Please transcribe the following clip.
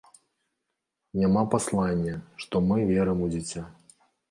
Няма паслання, што мы верым у дзіця.